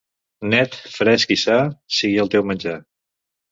Net, fresc i sa, sigui el teu menjar.